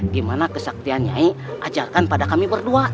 gimana kesaktian nyai ajarkan pada kami berdua